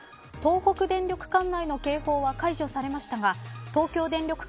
東北電力管内の警報は解除されましたが東京電力